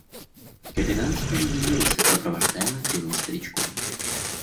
– Капитан вскоре явился, сопровождаемый кривым старичком.